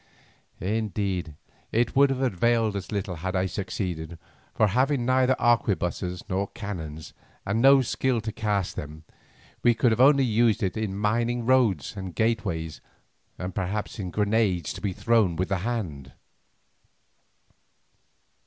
Indeed, it would have availed us little had I succeeded, for having neither arquebusses nor cannons, and no skill to cast them, we could only have used it in mining roads and gateways, and, perhaps, in grenades to be thrown with the hand.